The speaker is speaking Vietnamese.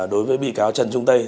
đối với bị cáo trần trung tây